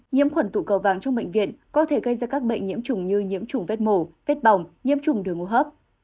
nhiễm khuẩn tụ cầu vàng trong bệnh viện có thể gây ra các bệnh nhiễm trùng như nhiễm trùng vết mổ vết bỏng nhiễm trùng đường hô hấp